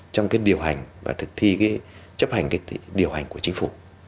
trong cái điều hành và thực thi cái chấp hành cái điều hành của chính phủ